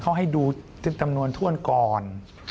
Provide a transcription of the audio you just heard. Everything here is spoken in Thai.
เขาให้ดูจำนวนถ้วนก่อน